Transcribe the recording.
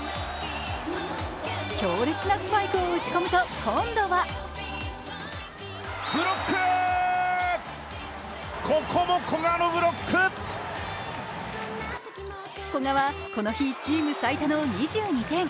強烈なスパイクを打ち込むと今度は古賀はこの日チーム最多の２２点。